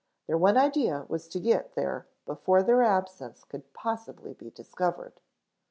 Their one idea was to get there before their absence could possibly be discovered.